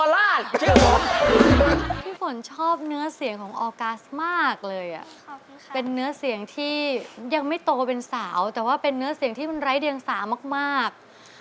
ลงเซ็งปังเลยนะครับ